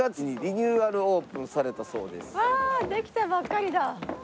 うわできたばっかりだ。